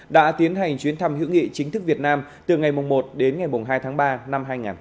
đã tiến hành chuyến thăm hữu nghị chính thức việt nam từ ngày một đến ngày hai tháng ba năm hai nghìn hai mươi